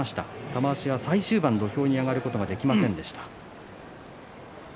玉鷲は最終盤、土俵に上がることができませんでした。